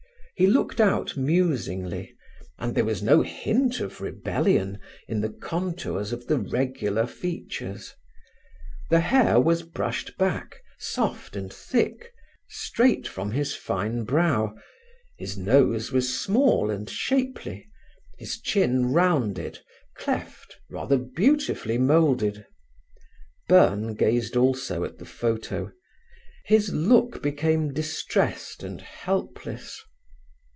He looked out musingly, and there was no hint of rebellion in the contours of the regular features. The hair was brushed back, soft and thick, straight from his fine brow. His nose was small and shapely, his chin rounded, cleft, rather beautifully moulded. Byrne gazed also at the photo. His look became distressed and helpless.